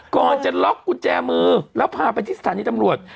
ก่อนจะล็อกกุญแจมือแล้วพาไปที่สถานีตำรวจ